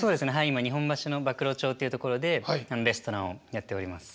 今日本橋の馬喰町っていうところでレストランをやっております。